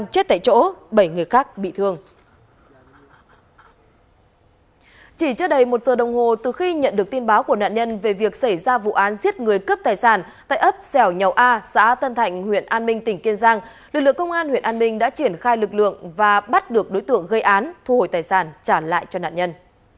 trước đây một giờ đồng hồ từ khi nhận được tin báo của nạn nhân về việc xảy ra vụ án giết người cướp tài sản tại ấp xẻo nhầu a xã tân thạnh huyện an minh tỉnh kiên giang lực lượng công an huyện an ninh đã triển khai lực lượng và bắt được đối tượng gây án thu hồi tài sản trả lại cho nạn nhân